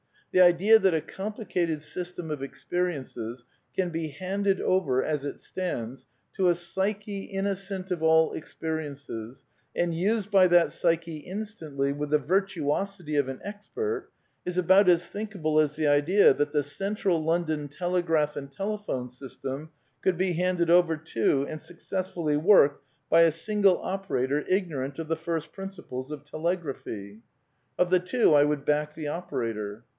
The idea that a complicated system of ex periences can be handed over as it stands to a psyche inno cent of all experiences, and used by that psyche, instantly, with the virtuosity of an expert, is about as thinkable as the idea that the Central London telegraph and telephone system could be handed over to and successfully worked by a single operator ignorant of the first principles of telegraphy. Of the two I would back the operator.